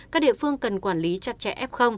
các địa phương cần quản lý chặt chẽ f